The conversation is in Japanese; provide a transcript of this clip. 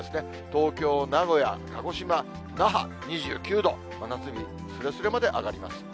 東京、名古屋、鹿児島、那覇２９度、真夏日すれすれまで上がります。